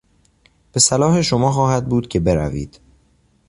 به صلاح شما خواهد بود که بروید.